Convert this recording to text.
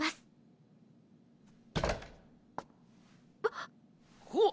あっ。